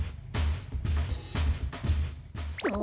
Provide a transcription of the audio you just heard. あ？